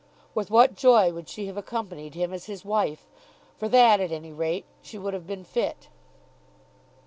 With what joy would she have accompanied him as his wife! For that at any rate she would have been fit.